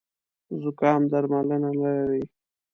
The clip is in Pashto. زوکام درملنه نه لري